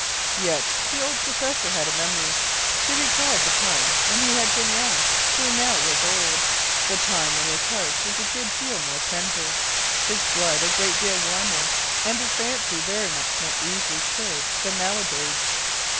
Yet the old professor had a memory; he recalled the time when he had been young who now was old the time when his heart was a good deal more tender, his blood a great deal warmer, and his fancy very much more easily stirred than nowadays.